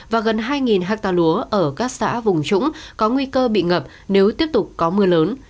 và gần hai hectare lúa ở các xã vùng trũng có nguy cơ bị ngập nếu tiếp tục có mưa lớn